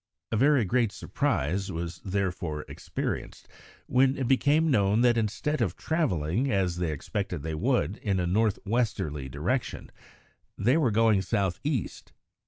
A very great surprise was therefore experienced when it became known that instead of travelling, as they expected they would, in a north westerly direction, they were going south east.